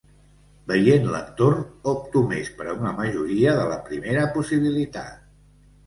Veient l’entorn, opto més per una majoria de la primera possibilitat.